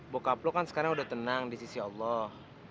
bokap lo kan sekarang sudah tenang di sisi allah